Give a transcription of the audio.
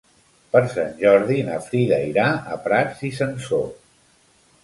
Per Sant Jordi na Frida irà a Prats i Sansor.